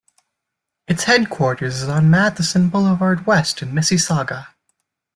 Its headquarters is on Matheson Boulevard West in Mississauga.